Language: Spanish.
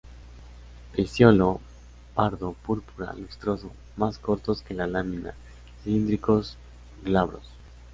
Pecíolo pardo púrpura lustroso, más cortos que la lámina, cilíndricos, glabros.